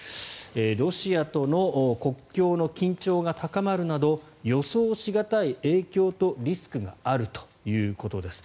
ロシアとの国境の緊張が高まるなど予想し難い影響とリスクがあるということです。